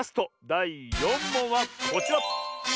だい４もんはこちら！